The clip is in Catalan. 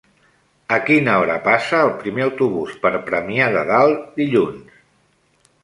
A quina hora passa el primer autobús per Premià de Dalt dilluns?